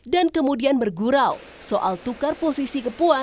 dan kemudian bergurau soal tukar posisi kepentingan